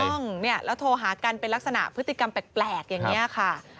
ถูกต้องเนี่ยแล้วโทรหากันเป็นลักษณะพฤติกรรมแปลกอย่างนี้ค่ะ